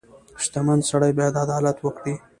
• شتمن سړی باید عدالت وکړي.